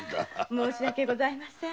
申し訳ございません。